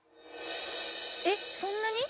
えっそんなに？